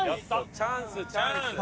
チャンスチャンス。